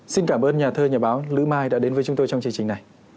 xin cảm ơn nhà thơ nhà báo lữ mai đã đến với chúng tôi trong chương trình này